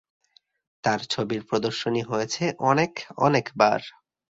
তার ছবির প্রদর্শনী হয়েছে অনেক অনেকবার।